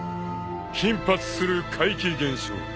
頻発する怪奇現象］